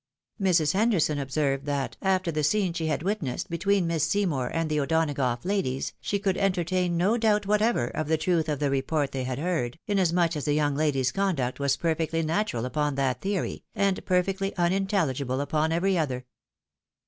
Mrs. Henderson observed that, after the scene she had wit nessed between Miss Seymour and the O'Donagough ladies, she could entertain no doubt whatever of the truth of the report they had heard, inasmuch as the young lady's conduct was per fectly natural upon that theory, and perfectly unintelligible upon every other.